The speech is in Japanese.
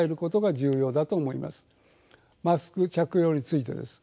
マスク着用についてです。